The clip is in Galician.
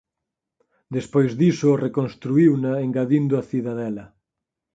Despois diso reconstruíuna engadindo a cidadela.